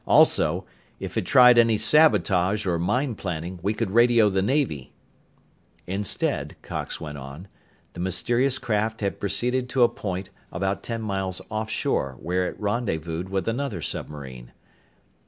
Also, if it tried any sabotage or mine planting, we could radio the Navy." Instead, Cox went on, the mysterious craft had proceeded to a point about ten miles offshore where it rendezvoused with another submarine.